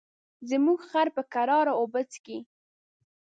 زموږ خر په کراره اوبه څښي.